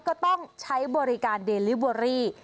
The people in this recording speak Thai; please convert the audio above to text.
ก็ต้องใช้บริการเดลิเวอรี่